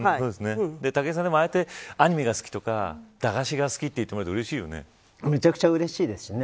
武井さんでもああやってアニメが好きとか駄菓子が好きと言ってもらえるとめちゃくちゃうれしいですね。